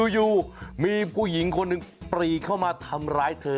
อยู่มีผู้หญิงคนหนึ่งปรีเข้ามาทำร้ายเธอ